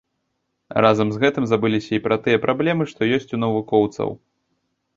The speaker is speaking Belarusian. А разам з гэтым забыліся і пра тыя праблемы, што ёсць у навукоўцаў.